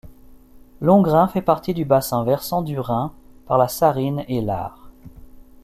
L'Hongrin fait partie du bassin versant du Rhin par la Sarine et l'Aar.